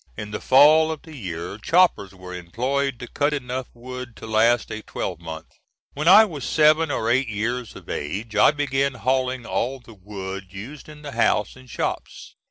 In the fall of the year choppers were employed to cut enough wood to last a twelve month. When I was seven or eight years of age, I began hauling all the wood used in the house and shops.